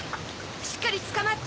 しっかりつかまって！